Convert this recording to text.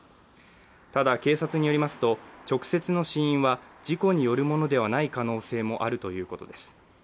ただ警察によりますと、直接の死因は事故によるものではない可能性もあるということです。